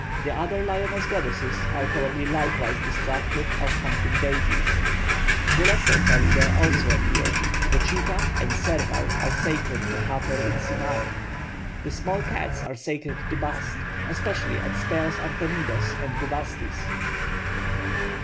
The other lioness goddesses are probably likewise destructive or hunting deities. The lesser felidae also appear; the cheetah and serval are sacred to Hathor in Sinai; the small cats are sacred to Bast, especially at Speos Artemidos and Bubastis.